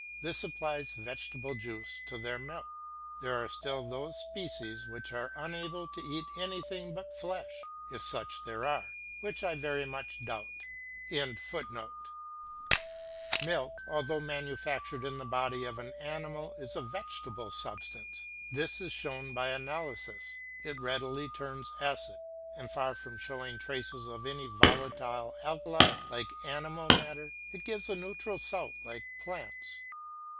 This supplies vegetable juices to their milk. There are still those species which are unable to eat anything but flesh, if such there are, which I very much doubt.] Milk, although manufactured in the body of an animal, is a vegetable substance; this is shown by analysis; it readily turns acid, and far from showing traces of any volatile alkali like animal matter, it gives a neutral salt like plants.